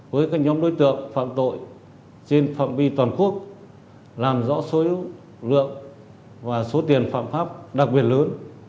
với các nhóm đối tượng phạm tội trên phạm vi toàn quốc làm rõ số lượng và số tiền phạm pháp đặc biệt lớn